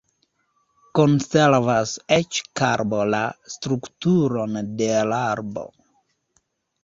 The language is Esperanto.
Konservas eĉ karbo la strukturon de l' arbo.